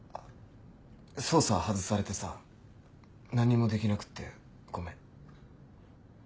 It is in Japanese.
捜査外されてさ何もできなくてごめん。